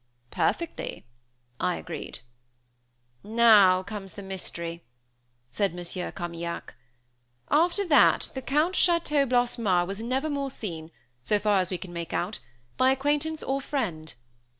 "Perfectly," I agreed. "Now comes the mystery," said Monsieur Carmaignac. "After that, the Count Chateau Blassemare was never more seen, so far as we can make out, by acquaintance or friend.